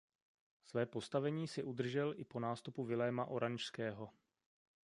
Své postavení si udržel i po nástupu Viléma Oranžského.